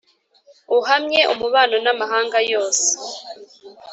Uhamye umubano n amahanga yose